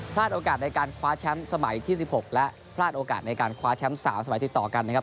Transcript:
โอกาสในการคว้าแชมป์สมัยที่๑๖และพลาดโอกาสในการคว้าแชมป์๓สมัยติดต่อกันนะครับ